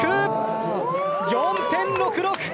４．６６！